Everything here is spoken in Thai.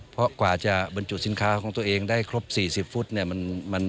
เพราะกว่าจะบรรจุสินค้าของตัวเองได้ครบ๔๐ฟุตเนี่ย